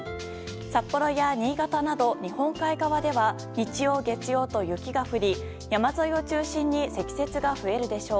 札幌や新潟など日本海側では日曜、月曜と雪が降り山沿いを中心に積雪が増えるでしょう。